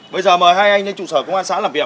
bây giờ mời hai anh lên trụ sở công an xã làm việc